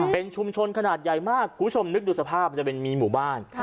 เป็นชุมชนขนาดใหญ่มากคุณผู้ชมนึกดูสภาพมันจะเป็นมีหมู่บ้าน